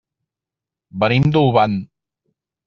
Venim d'Olvan.